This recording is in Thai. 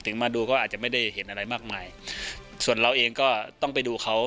มาดูก็อาจจะไม่ได้เห็นอะไรมากมายส่วนเราเองก็ต้องไปดูเขา